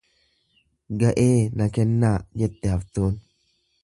Ga'ee na kennaa jette haftuun.